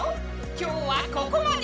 今日はここまで！